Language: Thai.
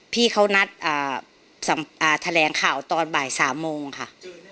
พี่เขานัดอ่าสำอ่าแถลงข่าวตอนบ่ายสามโมงค่ะ